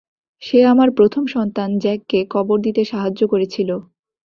সে আমার প্রথম সন্তান জ্যাক কে কবর দিতে সাহায্য করেছিল।